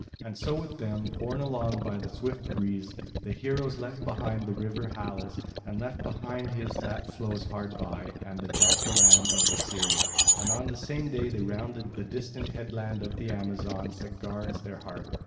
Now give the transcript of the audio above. And so with them, borne along by the swift breeze, the heroes left behind the river Halys, and left behind his that flows hard by, and the delta land of Assyria; and on the same day they rounded the distant headland of the Amazons that guards their harbour.